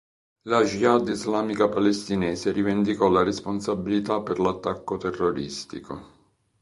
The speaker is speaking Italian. La Jihad Islamica Palestinese rivendicò la responsabilità per l'attacco terroristico.